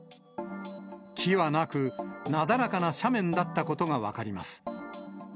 木はなく、なだらかな斜面だったことが分かります。